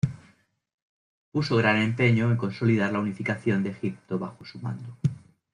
Puso gran empeño en consolidar la unificación de Egipto bajo su mando.